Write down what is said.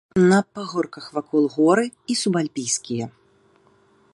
На пагорках вакол горы і субальпійскія.